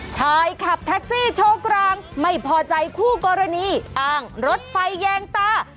ชายขับแท็กซี่โชว์กลางไม่พอใจคู่กรณีอ้างรถไฟแยงตา